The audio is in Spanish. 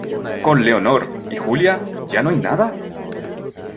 con Leonor. ¿ y Julia? ¿ ya no hay nada ?